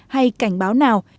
hay cảnh báo nào